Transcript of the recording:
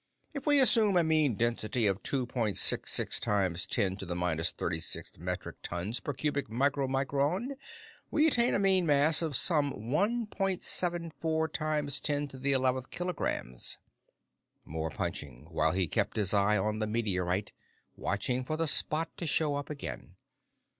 "If we assume a mean density of two point six six times ten to the minus thirty sixth metric tons per cubic micromicron, we attain a mean mass of some one point seven four times ten to the eleventh kilograms." More punching, while he kept his eye on the meteorite, waiting for the spot to show up again.